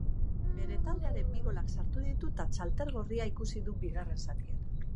Bere taldearen bi golak sartu ditu eta txartel gorria ikusi du bigarren zatian.